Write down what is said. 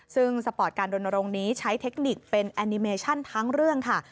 ซึ่งสปอร์ตการรณรงค์นี้ใช้เทคนิคเป็นแอนิเมชั่นทั้งเรื่องค่ะ